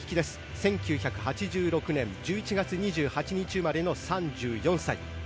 １９８６年１１月２８日生まれの３４歳。